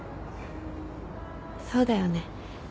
そうだよね。